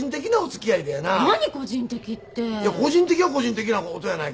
個人的は個人的なことやないかい！